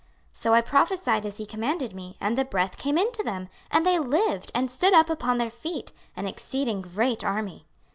26:037:010 So I prophesied as he commanded me, and the breath came into them, and they lived, and stood up upon their feet, an exceeding great army.